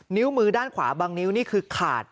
นิ้วมือด้านขวาบางนิ้วนี่คือขาด